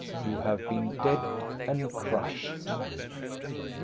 You have been dead and crushed.